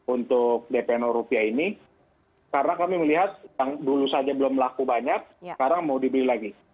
untuk dp rupiah ini karena kami melihat yang dulu saja belum laku banyak sekarang mau dibeli lagi